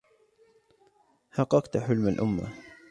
حققت حلم الأمة